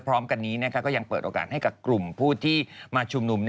พร้อมกันนี้ก็ยังเปิดโอกาสให้กับกลุ่มผู้ที่มาชุมนุม